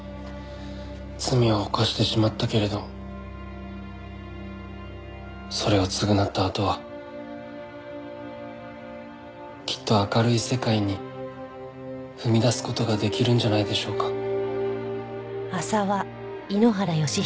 罪を犯してしまったけれどそれを償ったあとはきっと明るい世界に踏み出す事ができるんじゃないでしょうか。